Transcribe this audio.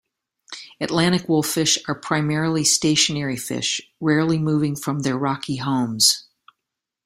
Atlantic wolffish are primarily stationary fish, rarely moving from their rocky homes.